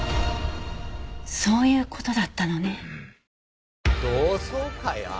そういう事だったのね。